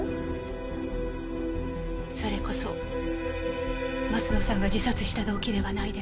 それこそ鱒乃さんが自殺した動機ではないですか？